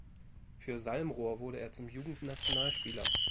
Für Salmrohr wurde er zum Jugendnationalspieler.